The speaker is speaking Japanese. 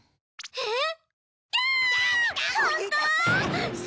えっ。